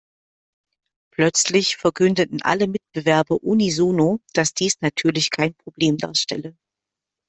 Plötzlich verkündeten alle Mitbewerber unisono, dass dies natürlich kein Problem darstelle.